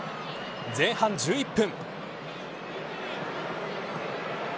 前半１１分。